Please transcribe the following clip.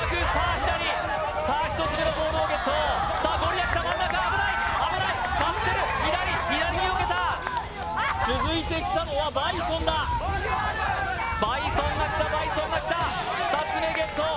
左さあ１つ目のボールをゲットさあゴリラ来た真ん中危ない危ない真っすぐ左左に避けた続いて来たのはバイソンだバイソンが来たバイソンが来た２つ目ゲット